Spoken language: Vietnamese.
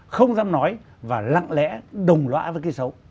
không dám nói và lặng lẽ đồng lõa với cái xấu